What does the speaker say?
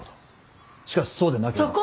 しかしそうでなければ。